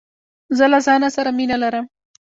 زه له ځانه سره مینه لرم.